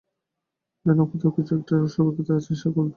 যেন কোথাও কিছু-একটা অস্বাভাবিকতা আছে, সে ধরতে পারছে না।